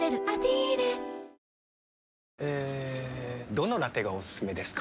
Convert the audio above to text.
どのラテがおすすめですか？